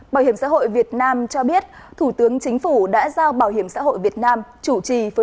bảo hiểm xã hội việt nam cho biết thủ tướng chính phủ đã giao bảo hiểm xã hội việt nam chủ trì phối